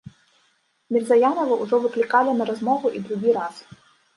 Мірзаянава ўжо выклікалі на размову і другі раз.